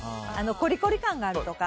コリコリ感があるとか。